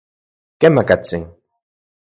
Kemakatsin.